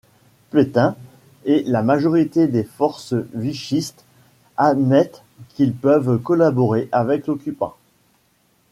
Pétain et la majorité des forces vichystes admettent qu'ils peuvent collaborer avec l'occupant.